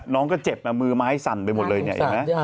น้องก็เจ็บนะมือไม้สั่นไปหมดเลยเนี่ยเห็นไหม